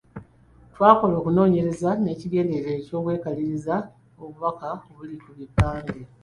Twakola okunoonyereza n’ekigenderwa eky’okwekaliriza obubaka obuli ku bupande.